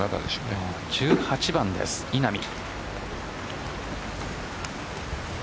１８番です稲見。